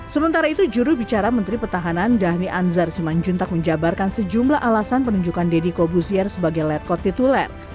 sementara itu juru bicara menteri pertahanan dhani anzar simanjuntak menjabarkan sejumlah alasan penunjukan deddy kobuzier sebagai ledkot tituler